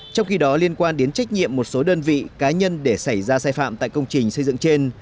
trong khi đó liên quan đến trách nhiệm một số đơn vị cá nhân để xảy ra sai phạm tại công trình xây dựng trên